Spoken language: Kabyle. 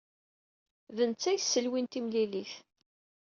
D netta ay yesselwin timlilit.